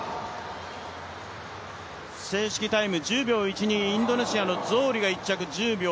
正式タイム１０秒１２、インドネシアのゾーリが１着。